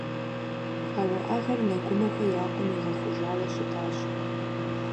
А уӀэгъэр Нэгумэхэ я къуэм игъэхъужауэ щытащ.